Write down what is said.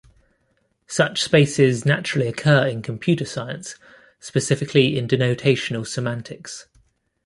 Such spaces naturally occur in computer science, specifically in denotational semantics.